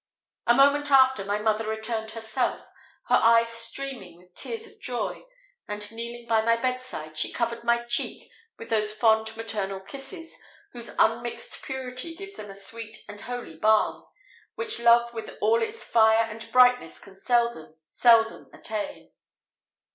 A moment after, my mother returned herself, her eyes streaming with tears of joy; and, kneeling by my bedside, she covered my cheek with those fond maternal kisses, whose unmixed purity gives them a sweet and holy balm, which love with all its fire and brightness can seldom, seldom attain.